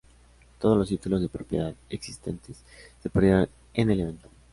Todos los títulos de propiedad existentes se perdieron en el evento.